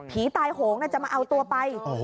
ตายโหงจะมาเอาตัวไป